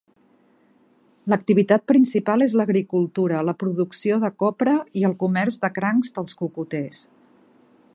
L'activitat principal és l'agricultura, la producció de copra i el comerç de crancs dels cocoters.